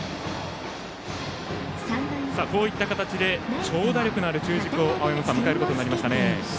こういった形で長打力のある中軸を青山さん、迎えることになりましたね。